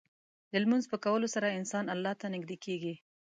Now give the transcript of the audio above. د لمونځ په کولو سره انسان الله ته نږدې کېږي.